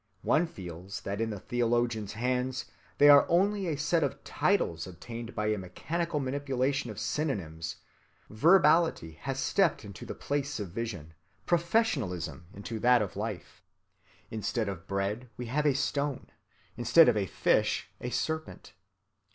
One feels that in the theologians' hands, they are only a set of titles obtained by a mechanical manipulation of synonyms; verbality has stepped into the place of vision, professionalism into that of life. Instead of bread we have a stone; instead of a fish, a serpent.